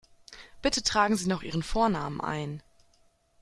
Bitte tragen Sie noch Ihren Vornamen ein.